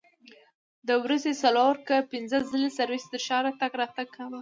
د ورځې څلور که پنځه ځلې سرویس تر ښاره تګ راتګ کاوه.